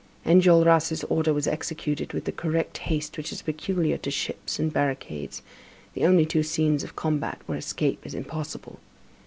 Enjolras' order was executed with the correct haste which is peculiar to ships and barricades, the only two scenes of combat where escape is impossible.